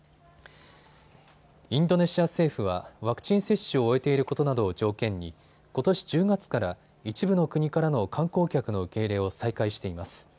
インドネシア政府はワクチン接種を終えていることなどを条件にことし１０月から一部の国からの観光客の受け入れを再開しています。